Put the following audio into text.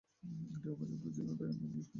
এটি অপর্যাপ্ত ছিল তাই আমরা পুলিশকেও অভিযোগ করেছি।